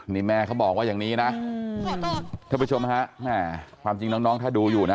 นี่แม่เขาบอกว่าอย่างนี้นะท่านผู้ชมฮะแม่ความจริงน้องถ้าดูอยู่นะ